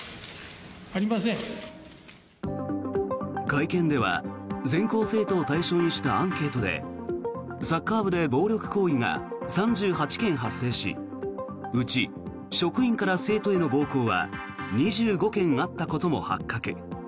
会見では全校生徒を対象にしたアンケートでサッカー部で暴力行為が３８件発生しうち、職員から生徒への暴行は２５件あったことも発覚。